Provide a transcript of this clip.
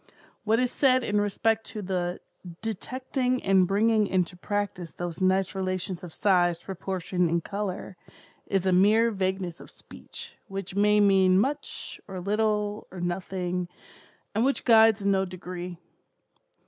What is said in respect to the 'detecting and bringing into practice those nice relations of size, proportion and color,' is a mere vagueness of speech, which may mean much, or little, or nothing, and which guides in no degree.